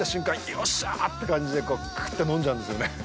よっしゃーって感じでクーっと飲んじゃうんですよね。